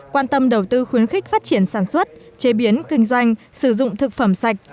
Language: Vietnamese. quan tâm đầu tư khuyến khích phát triển sản xuất chế biến kinh doanh sử dụng thực phẩm sạch